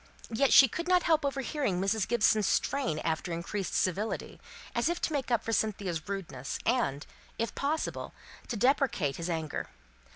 Yet she could not help overhearing Mrs. Gibson's strain after increased civility, as if to make up for Cynthia's rudeness, and, if possible, to deprecate his anger.